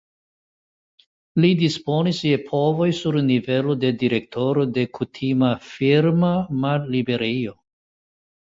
Li disponis je povoj sur nivelo de direktoro de kutima firma malliberejo.